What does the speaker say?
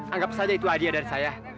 anggap saja itu hadiah dari saya